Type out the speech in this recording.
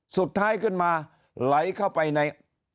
สุดท้ายขึ้นมาไหลเข้าไปใน